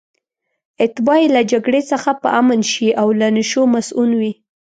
اتباع یې له جګړې څخه په امن شي او له نشو مصئون وي.